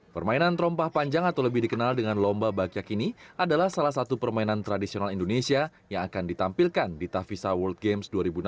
permainan terompah panjang atau lebih dikenal dengan lomba bakyak ini adalah salah satu permainan tradisional indonesia yang akan ditampilkan di tavisa world games